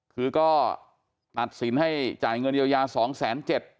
คือก็ตัดสินให้จ่ายเงินเยียวยา๒๗๐๐บาท